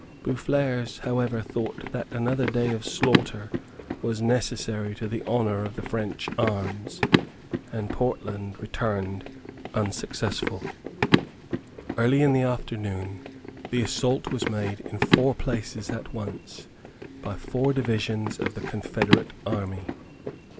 Boufflers however thought that another day of slaughter was necessary to the honour of the French arms; and Portland returned unsuccessful. Early in the afternoon the assault was made in four places at once by four divisions of the confederate army.